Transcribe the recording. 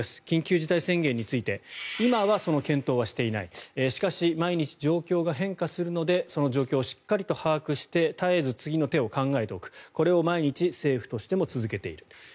緊急事態宣言について今はその検討はしていないしかし、毎日状況が変化するのでその状況をしっかりと把握して絶えず次の手を考えておくこれを毎日政府としても続けている。